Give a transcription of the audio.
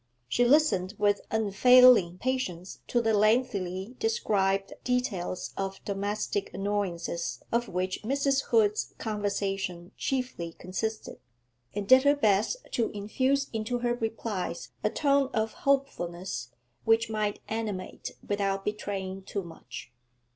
She listened with unfailing patience to the lengthily described details of domestic annoyances of which Mrs. Hood's conversation chiefly consisted, and did her best to infuse into her replies a tone of hopefulness, which might animate without betraying too much.